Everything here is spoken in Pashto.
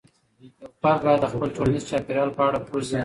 یو فرد باید د خپل ټولنيزې چاپیریال په اړه پوه سي.